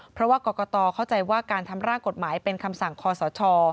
เพราะว่ากรกตเข้าใจว่าการทำร่างกฎหมายเป็นคำสั่งคอสช